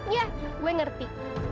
yah gue ngerti